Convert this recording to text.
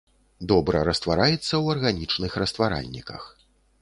Добра раствараецца ў арганічных растваральніках.